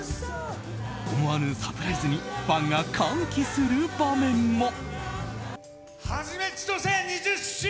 思わぬサプライズにファンが歓喜する場面も。